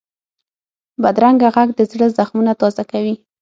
بدرنګه غږ د زړه زخمونه تازه کوي